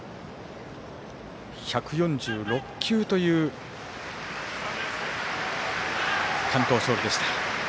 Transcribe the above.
１４６球という完投勝利でした。